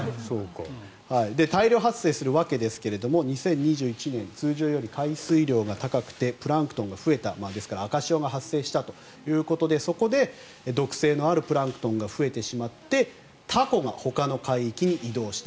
大量発生する訳ですが２０２１年通常より海水量が高くてプランクトンが増えた、ですから赤潮が発生したということでそこで毒性のあるプランクトンが増えてしまってタコがほかの海域に移動した。